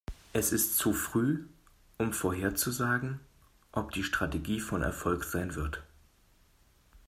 Es ist zu früh, um vorherzusagen, ob die Strategie von Erfolg sein wird.